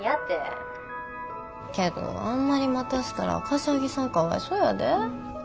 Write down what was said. けどあんまり待たしたら柏木さんかわいそうやで。